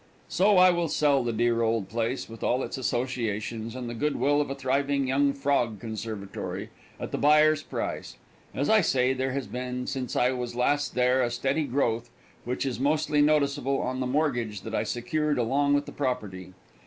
So I will sell the dear old place, with all its associations and the good will of a thriving young frog conservatory, at the buyer's price. As I say, there has been since I was last there a steady growth, which is mostly noticeable on the mortgage that I secured along with the property.